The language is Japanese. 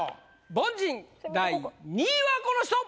凡人第２位はこの人！